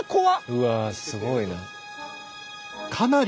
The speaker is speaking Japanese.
うわすごいな。